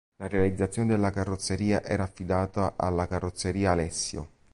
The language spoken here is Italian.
La realizzazione della carrozzeria era affidata alla Carrozzeria Alessio.